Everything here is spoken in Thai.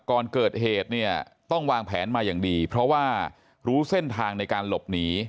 ก่อนเกิดเหตุเนี่ยต้องวางแผนมาอย่างดีเพราะว่ารู้เส้นทางในการหลบหนี